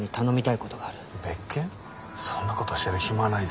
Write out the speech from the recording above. そんな事してる暇はないぞ。